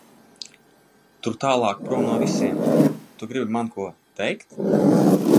Tur tālāk prom no visiem. Tu gribi man ko teikt?